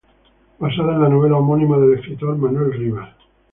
Basada en la novela homónima del escritor Manuel Rivas.